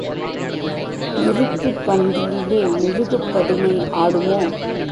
நெருப்புப் பந்திலிலே மெழுகுப் பதுமை ஆடுமோ?